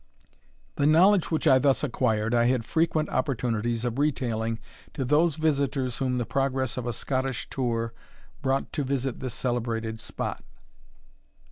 The knowledge which I thus acquired I had frequent opportunities of retailing to those visiters whom the progress of a Scottish tour brought to visit this celebrated spot.